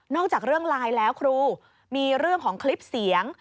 จากเรื่องไลน์แล้วครูมีเรื่องของคลิปเสียง